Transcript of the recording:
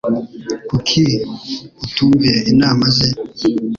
Kuki utumviye inama ze?